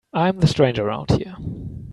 I'm the stranger around here.